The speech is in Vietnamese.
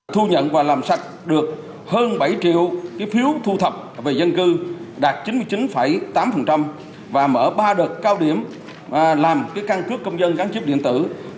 thu nhận và làm sạch được hơn bảy triệu phiếu thu thập về dân cư đạt chín mươi chín tám và mở ba đợt cao điểm làm căn cước công dân gắn chip điện tử